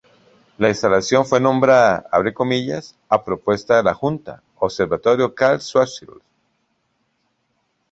La instalación fue nombrada "a propuesta de la Junta, Observatorio Karl Schwarzschild".